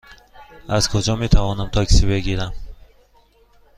از کجا می توانم تاکسی بگیرم؟